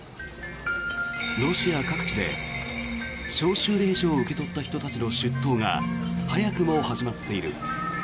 ロシア各地で招集令状を受け取った人たちの出頭が早くも始まっている。